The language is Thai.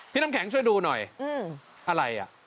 น้ำแข็งช่วยดูหน่อยอะไรอ่ะ